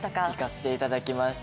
行かせていただきました。